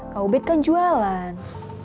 kau bed kan jualan